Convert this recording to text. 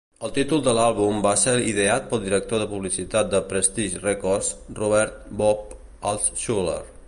El títol de l'àlbum va ser ideat pel director de publicitat de Prestige Records, Robert "Bob" Altshuler.